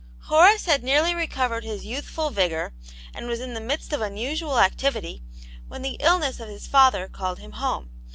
HORACE had nearly recovered his youthful vigour, and was in the midst of unusual activity, when the illness of his father called him home.